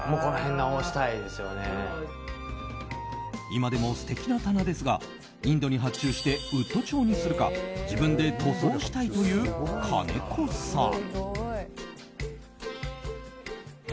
今でも素敵な棚ですがインドに発注してウッド調にするか自分で塗装したいという金子さん。